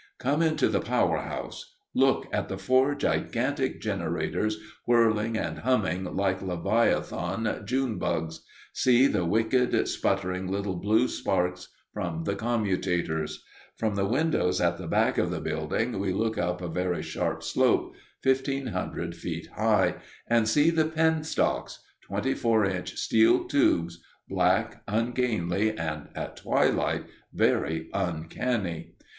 Come into the power house. Look at the four gigantic generators, whirling and humming like leviathan June bugs see the wicked, sputtering little blue sparks from the commutators. From the windows at the back of the building we look up a very sharp slope, 1500 feet high, and see the penstocks twenty four inch steel tubes, black, ungainly, and, at twilight, very uncanny.